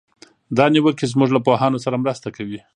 دا نیوکې زموږ له پوهانو سره مرسته کوي.